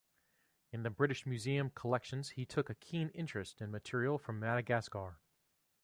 In the British Museum collections he took a keen interest in material from Madagascar.